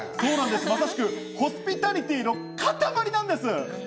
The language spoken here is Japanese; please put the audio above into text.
正しく、ホスピタリティーの塊なんです。